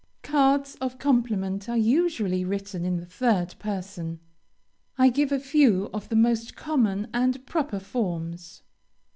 Cards of compliment are usually written in the third person. I give a few of the most common and proper forms.